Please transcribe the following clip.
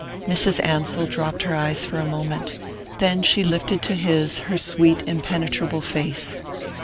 Mrs. Ansell dropped her eyes for a moment; then she lifted to his her sweet impenetrable face.